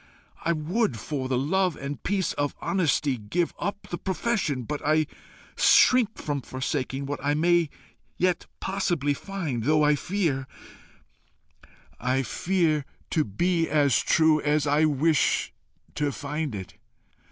I would, for the love and peace of honesty, give up the profession, but I shrink from forsaking what I may yet possibly find though I fear, I fear to be as true as I wish to find it.